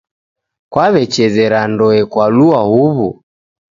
Kwawechezera ndoe kwalua huwu